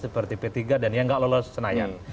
seperti p tiga dan yang nggak lolos senayan